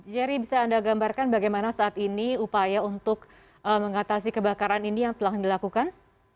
jadi bisa anda gambarkan bagaimana saat ini upaya untuk mengatasi kebakaran ini yang telah dilakukan